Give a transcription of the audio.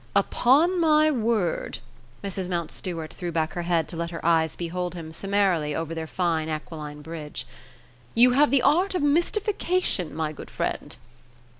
"Upon my word," Mrs. Mountstuart threw back her head to let her eyes behold him summarily over their fine aquiline bridge, "you have the art of mystification, my good friend."